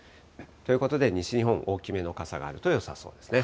ということで西日本、大きめの傘があるとよさそうですね。